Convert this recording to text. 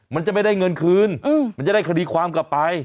มันจะไม่ได้เงินคืนมันจะได้คดีความกลับไป